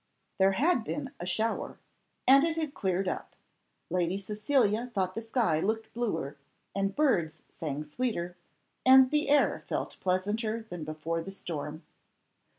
There had been a shower, and it had cleared up. Lady Cecilia thought the sky looked bluer, and birds sang sweeter, and the air felt pleasanter than before the storm.